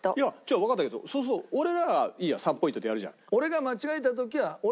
わかったけどそうすると俺らはいいや３ポイントでやるじゃん。